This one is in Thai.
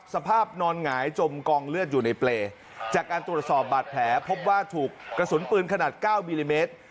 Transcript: สภาพนอนหงายจมกองเลือดอยู่ในเปรย์จากการตรวจสอบบาดแผลพบว่าถูกกระสุนปืนขนาด๙มิลลิเมตร